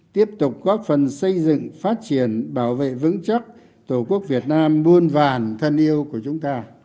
tiếp tục góp phần xây dựng phát triển bảo vệ vững chắc tổ quốc việt nam muôn vàn